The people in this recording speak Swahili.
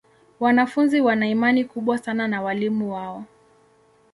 Wanafunzi wana imani kubwa sana na walimu wao.